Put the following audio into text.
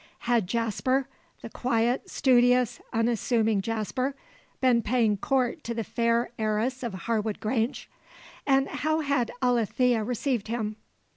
Had Jasper the quiet, studious unassuming Jasper been paying court to the fair heiress of Harwood Grange? And how had Alethea received him?